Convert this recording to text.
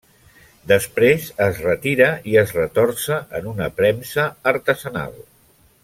Després es retira i es retorça en una premsa artesanal.